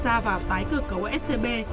tham gia vào tái cửa cấu scb